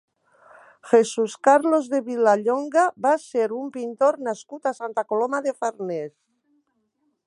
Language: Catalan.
Jesus Carlos de Vilallonga va ser un pintor nascut a Santa Coloma de Farners.